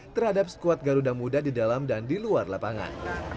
terhadap skuad garuda muda di dalam dan di luar lapangan